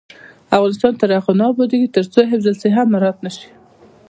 افغانستان تر هغو نه ابادیږي، ترڅو حفظ الصحه مراعت نشي.